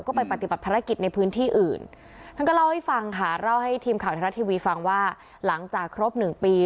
ก็ไปปฏิบัติภารกิจในพื้นที่อื่นท่านก็เล่าให้ฟังค่ะเล่าให้ทีมข่าวไทยรัฐทีวีฟังว่าหลังจากครบหนึ่งปี